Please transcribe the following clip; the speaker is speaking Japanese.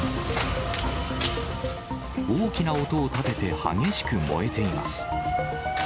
大きな音を立てて激しく燃えています。